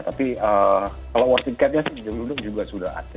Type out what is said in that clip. tapi kalau worth it cat nya sih dulu juga sudah ada